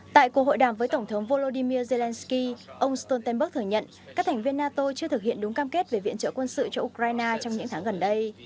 tại cuộc hội đàm với tổng thống volodymyr zelensky ông stoltenberg thừa nhận các thành viên nato chưa thực hiện đúng cam kết về viện trợ quân sự cho ukraine trong những tháng gần đây